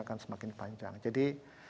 akan semakin panjang jadi